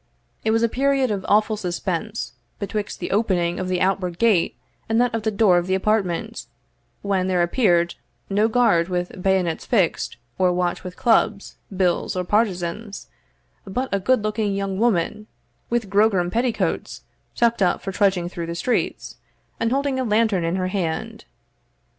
It was a period of awful suspense betwixt the opening of the outward gate and that of the door of the apartment, when there appeared no guard with bayonets fixed, or watch with clubs, bills, or partisans, but a good looking young woman, with grogram petticoats, tucked up for trudging through the streets, and holding a lantern in her hand.